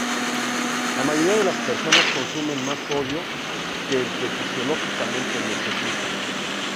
La mayoría de las personas consumen más sodio que el que fisiológicamente necesitan.